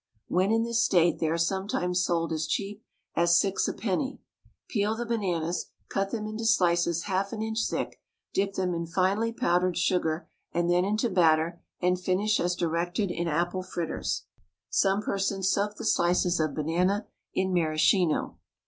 When in this state they are sometimes sold as cheap as six a penny. Peel the bananas, cut them into slices half an inch thick, dip them into finely powdered sugar and then into batter, and finish as directed in apple fritters. Some persons soak the slices of banana in maraschino.